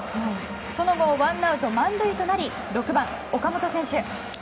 その後ワンアウト満塁となり６番、岡本選手。